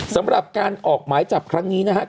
สำหรับการออกหมายจับครั้งนี้นะครับ